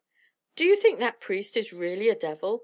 "Do you think that priest is really a devil?"